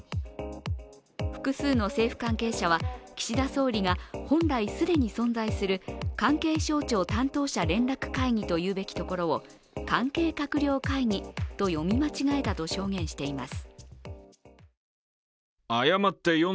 複数の政府関係者は、岸田総理が本来既に存在する関係省庁担当者連絡会議と言うべきところを関係閣僚会議と読み間違えたと証言しています。